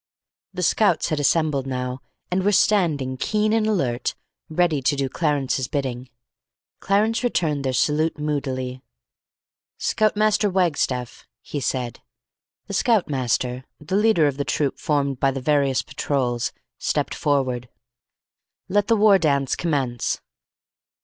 The Scouts had assembled now, and were standing, keen and alert, ready to do Clarence's bidding. Clarence returned their salute moodily. "Scout master Wagstaff," he said. The Scout master, the leader of the troop formed by the various patrols, stepped forward. "Let the war dance commence."